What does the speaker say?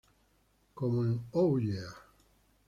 Como "Oh Yeah!